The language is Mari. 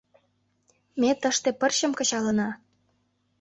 Ме тыште пырчым кычалына.